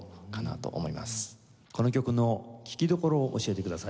この曲の聞きどころを教えてください。